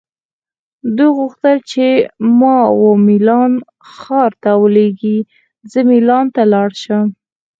دوی غوښتل چې ما وه میلان ښار ته ولیږي، زه مېلان ته لاړ شم.